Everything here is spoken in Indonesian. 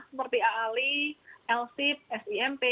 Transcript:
seperti aali lsib smp